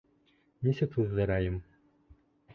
Нисек туҙҙырайым?